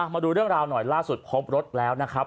มาดูเรื่องราวหน่อยล่าสุดพบรถแล้วนะครับ